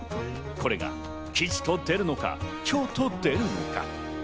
これが吉と出るのか凶と出るのか。